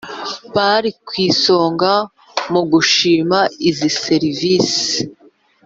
Bari ku isonga mu gushima izi serivisi